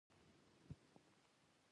يوازې د پروجسترون درلودونكي ټابليټونه: